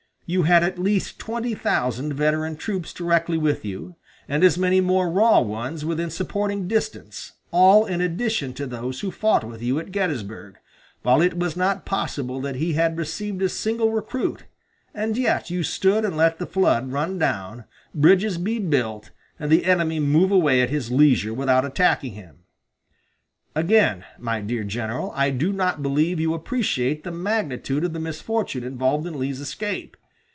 You had at least twenty thousand veteran troops directly with you, and as many more raw ones within supporting distance, all in addition to those who fought with you at Gettysburg, while it was not possible that he had received a single recruit, and yet you stood and let the flood run down, bridges be built, and the enemy move away at his leisure, without attacking him.... Again, my dear general, I do not believe you appreciate the magnitude of the misfortune involved in Lee's escape.